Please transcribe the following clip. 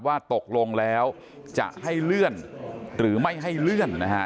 ว่าตกลงแล้วจะให้เลื่อนหรือไม่ให้เลื่อนนะฮะ